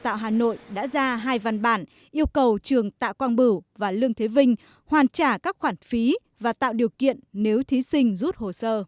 tạo hà nội đã ra hai văn bản yêu cầu trường tạ quang bửu và lương thế vinh hoàn trả các khoản phí và tạo điều kiện nếu thí sinh rút hồ sơ